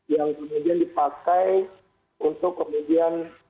yang kemudian dipakai untuk kemudian